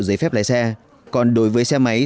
giấy phép lái xe còn đối với xe máy